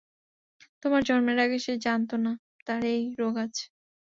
তোমার জন্মের আগে সে জানতো না তার এই রোগ আছে।